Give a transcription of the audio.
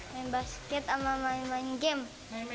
main basket sama main main game